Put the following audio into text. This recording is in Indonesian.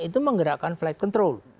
itu menggerakkan flight control